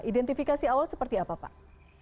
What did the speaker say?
identifikasi awal seperti apa pak